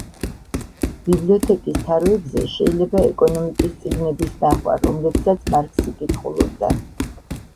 ბიბლიოთეკის თაროებზე შეიძლება ეკონომიკის წიგნების ნახვა, რომლებსაც მარქსი კითხულობდა.